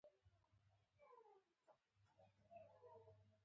افغانستان د ژورو سرچینو په برخه کې پوره نړیوال شهرت لري.